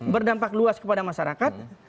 berdampak luas kepada masyarakat